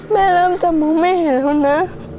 เริ่มจะมองไม่เห็นแล้วนะ